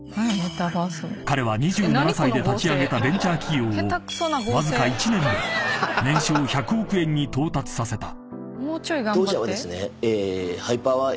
［彼は２７歳で立ち上げたベンチャー企業をわずか１年で年商１００億円に到達させた］